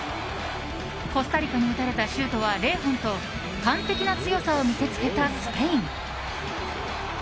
コスタリカに打たれたシュートは０本と完璧な強さを見せつけたスペイン。